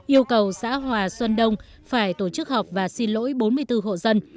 yêu cầu xã hòa xuân đông phải tổ chức họp và xin lỗi bốn mươi bốn hộ dân